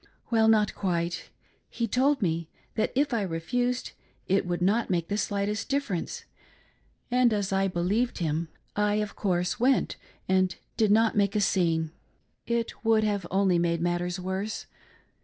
" Well, not quite. He told me that if I refused it would make not |hp slightest difference ; and as I believed him, I, of course, went, and did not make a scene. It would have only made matters worse.